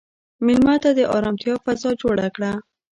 مېلمه ته د ارامتیا فضا جوړ کړه.